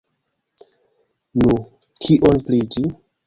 Nu, kion pri ĝi?